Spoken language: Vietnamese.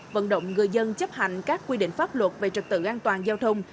vận động người dân chấp hành các quy định pháp luật về trật tự an toàn giao thông